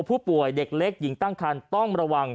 ผู้ป่วยเด็กเล็กหญิงตั้งคันต้องระวัง